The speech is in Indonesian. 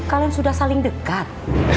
kalian sudah saling dekat